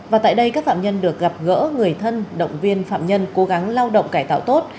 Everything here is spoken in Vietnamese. và tại đây các phạm nhân được gặp gỡ người thân động viên phạm nhân cố gắng lao động cải tạo tốt